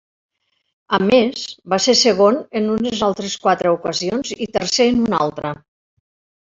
A més, va ser segon en unes altres quatre ocasions i tercer en una altra.